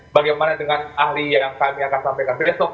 bagaimana dengan ahli yang kami akan sampaikan besok